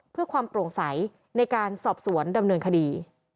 เพื่อความโปร่งใสในการสอบสวนดำเนินคดี